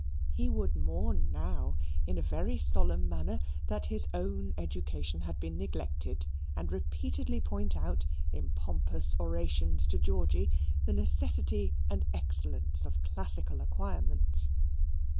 He would mourn now, in a very solemn manner, that his own education had been neglected, and repeatedly point out, in pompous orations to Georgy, the necessity and excellence of classical acquirements.